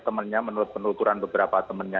temannya menurut penuturan beberapa temannya